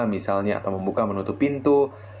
misalnya atau membuka menutup pintu